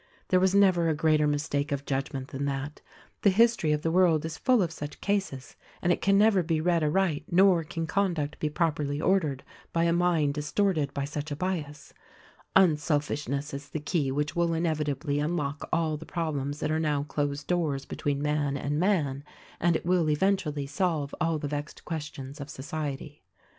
"There was never a greater mistake of judgment than that. The history of the world is full of such cases : and it can never be read aright nor can conduct be properlv ordered, by a mind distorted by such a bias. "Unselfishness is the key which will inevitablv unlock all the problems that are now closed doors between man 136 THE RECORDING ANGEL and man; and it will eventually solve all the vexed questions of society.